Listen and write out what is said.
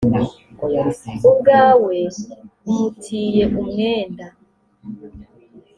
ubwawe um tiye umwenda